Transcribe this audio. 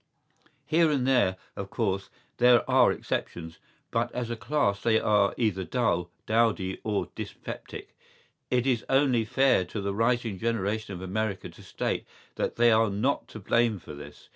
Here and there, of course, there are exceptions, but as a class they are either dull, dowdy or dyspeptic.¬Ý It is only fair to the rising generation of America to state that they are not to blame for this.